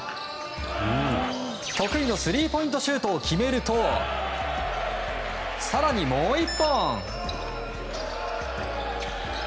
得意のスリーポイントシュートを決めると、更にもう１本。